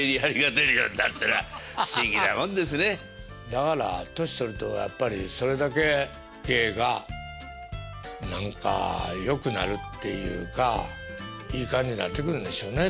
だから年取るとやっぱりそれだけ芸が何かよくなるっていうかいい感じになってくるんでしょうね